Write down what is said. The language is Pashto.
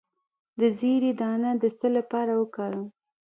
د زیرې دانه د څه لپاره وکاروم؟